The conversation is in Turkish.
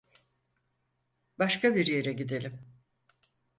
Başka bir yere gidelim.